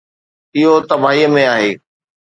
اهو تباهيءَ ۾ آهي.